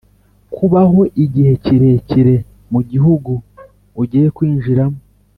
kubaho igihe kirekire mu gihugu ugiye kwinjiramo